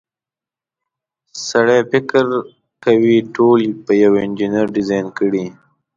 سړی فکر کوي ټول چې یوه انجنیر ډیزاین کړي.